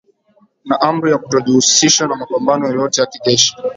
na amri ya kutojihusisha na mapambano yoyote ya kijeshi